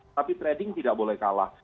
tapi trading tidak boleh kalah